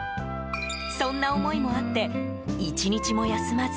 そんな思いもあって１日も休まず